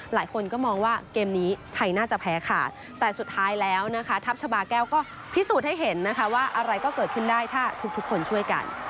หลายคนก็มองว่าเกมนี้ไทยน่าจะแพ้ขาดแต่สุดท้ายแล้วนะคะทัพชาบาแก้วก็พิสูจน์ให้เห็นนะคะว่าอะไรก็เกิดขึ้นได้ถ้าทุกคนช่วยกัน